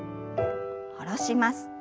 下ろします。